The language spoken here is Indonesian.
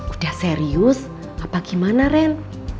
udah serius apa gimana ren